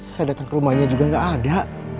saya datang ke rumahnya juga gak ada